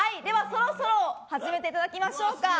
そろそろ初めていただきましょうか。